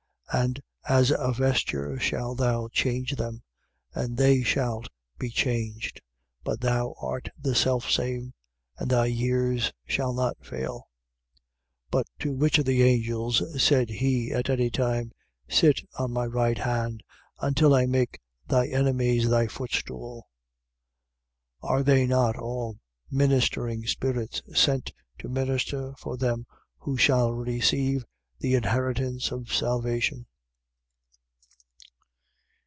1:12. And as a vesture shalt thou change them, and they shalt be changed. But thou art the selfsame: and thy years shall not fail. 1:13. But to which of the angels said he at any time: Sit on my right hand, until I make thy enemies thy footstool? 1:14. Are they not all ministering spirits, sent to minister for them who shall receive the inheritance of salvation?